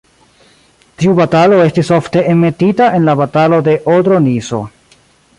Tiu batalo estis ofte enmetita en la Batalo de Odro-Niso.